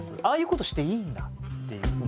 ああいうことしていいんだっていう。